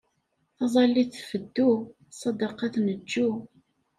Taẓallit tfeddu, ssadaqa tneǧǧu.